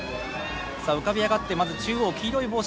さあ浮かび上がってまず中央黄色い帽子